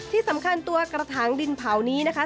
ที่สำคัญตัวกระถางดินเผานี้นะคะ